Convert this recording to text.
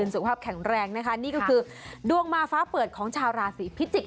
สุขภาพแข็งแรงนะคะนี่ก็คือดวงมาฟ้าเปิดของชาวราศีพิจิกษ